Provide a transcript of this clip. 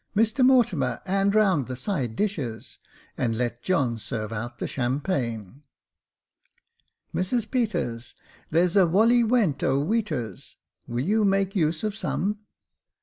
Mr Mortimer, 'and round the side dishes, and let John serve out the champagne." " Mrs Peters, there's a wolley nuent 0' iveaters. Will you make use of some